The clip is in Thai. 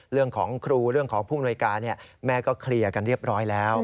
เรื่องของครูเรื่องของผู้มนวยการแม่ก็เคลียร์กันเรียบร้อยแล้ว